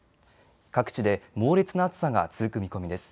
各地で猛烈な暑さが続く見込みです。